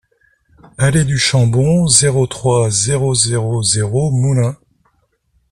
Allée du Chambon, zéro trois, zéro zéro zéro Moulins